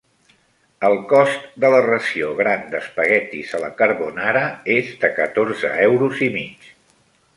El cost de la ració gran d'espaguetis a la carbonara és de catorze euros i mig.